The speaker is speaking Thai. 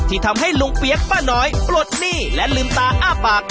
ทำให้ลุงเปี๊ยกป้าน้อยปลดหนี้และลืมตาอ้าปาก